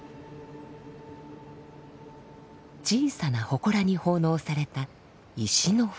小さな祠に奉納された石の舟。